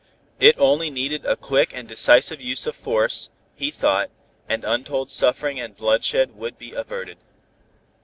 It only needed a quick and decisive use of force, he thought, and untold suffering and bloodshed would be averted.